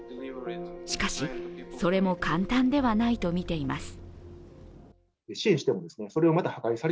しかし、それも簡単ではないとみています。